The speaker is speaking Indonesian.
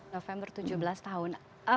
november tujuh belas tahun